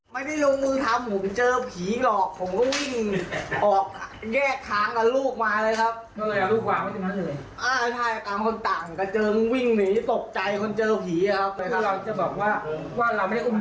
ไม่ได้ลงมือทำผมเจอผีหรอกผมก็วิ่งออกแยกค้างกับลูกมาเลยครับ